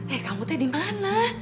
eh kamu tuh dimana